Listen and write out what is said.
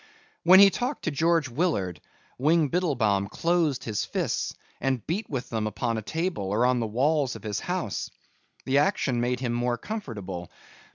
When he talked to George Willard, Wing Biddlebaum closed his fists and beat with them upon a table or on the walls of his house. The action made him more comfortable.